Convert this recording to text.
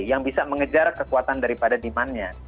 yang bisa mengejar kekuatan daripada demand nya